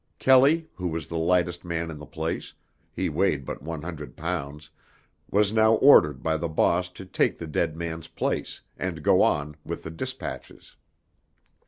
Kelley, who was the lightest man in in the place he weighed but one hundred pounds was now ordered by the boss to take the dead man's place, and go on with the dispatches.